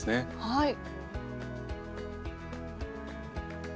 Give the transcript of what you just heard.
はい。